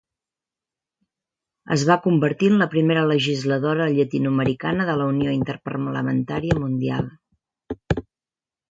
Es va convertir en la primera legisladora llatinoamericana de la Unió Interparlamentària Mundial.